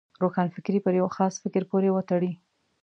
روښانفکري پر یو خاص فکر پورې وتړي.